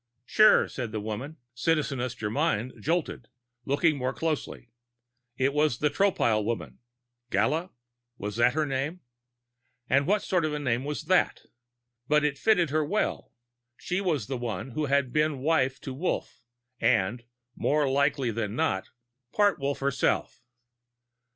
"Sure," said the woman. Citizeness Germyn, jolted, looked more closely. It was the Tropile woman Gala? Was that her name? And what sort of name was that? But it fitted her well; she was the one who had been wife to Wolf and, more likely than not, part Wolf herself.